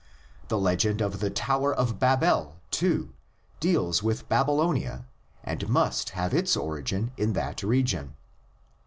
The legend of the Tower of Babel, too, deals with Babylonia and must have its origin in that region.